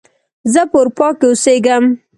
زه په اروپا کې اوسیږم